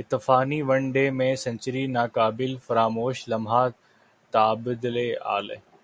افتتاحی one day میں century ناقابل فراموش لمحہ تھاعابدعلی